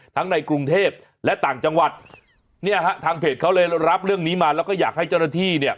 ในกรุงเทพและต่างจังหวัดเนี่ยฮะทางเพจเขาเลยรับเรื่องนี้มาแล้วก็อยากให้เจ้าหน้าที่เนี่ย